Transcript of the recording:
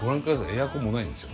エアコンもないんですよ